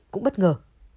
cũng bất ngờ